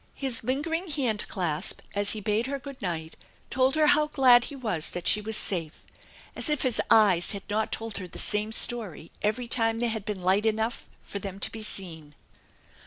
His lingering hand clasp as he bade her good night told her how glad he was that she was safe ; as if his eyes had not told her the same story every time there had been light enough for them to be seen!